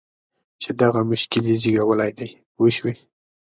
چې دغه مشکل یې زېږولی دی پوه شوې!.